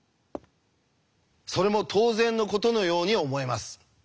それも当然のことのように思えます。